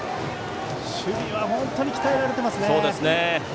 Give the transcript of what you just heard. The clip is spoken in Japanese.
守備は本当に鍛えられていますね。